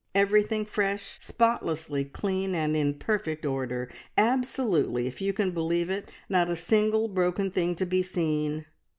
Everything fresh, spotlessly clean, and in perfect order; absolutely, if you can believe it, not a single broken thing to be seen!